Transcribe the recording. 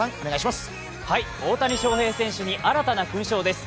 大谷翔平選手に新たな勲章です。